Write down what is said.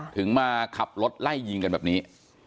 ถึงมาขับรถไล่ยิงกันแบบนี้